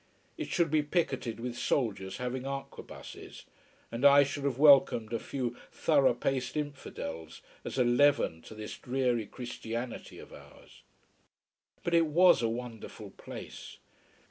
It should be picketed with soldiers having arquebuses. And I should have welcomed a few thorough paced infidels, as a leaven to this dreary Christianity of ours. But it was a wonderful place.